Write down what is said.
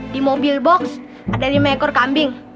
di mobil box ada lima ekor kambing